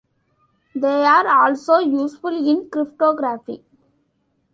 They are also useful in cryptography.